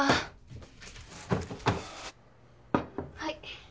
はい。